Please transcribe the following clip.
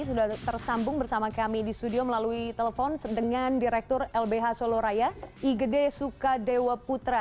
sudah tersambung bersama kami di studio melalui telepon dengan direktur lbh soloraya igede sukadewaputra